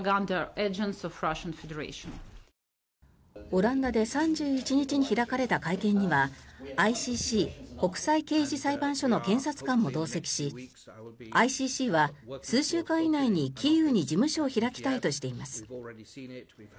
オランダで３１日に開かれた会見にはＩＣＣ・国際刑事裁判所の検察官も同席しＩＣＣは数週間以内にキーウに事務所を開きたいとしています。